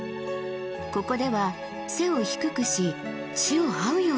ここでは背を低くし地をはうように生えてる。